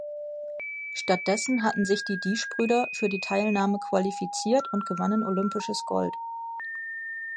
Stattdessen hatten sich die Diesch-Brüder für die Teilnahme qualifiziert und gewannen olympisches Gold.